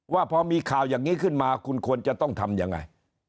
ว่าพอมีข่าวอย่างนี้ขึ้นมาคุณควรจะต้องทำยังไง